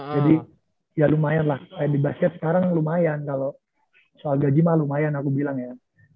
ya lumayan lah kayak di basket sekarang lumayan kalau soal gaji mah lumayan aku bilang ya